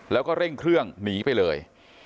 แล้วก็เร่งเครื่องหนีไปเลย